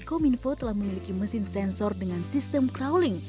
cominfo telah memiliki mesin sensor dengan sistem crawling